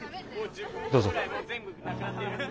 どうぞ。